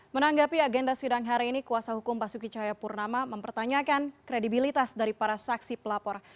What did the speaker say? menanggapi agenda sidang hari ini kuasa hukum basuki cahayapurnama mempertanyakan kredibilitas dari para saksi pelapor